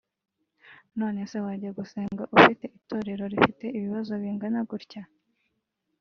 none se wajya gusenga ufite itorero rifite ibibazo bingana gutya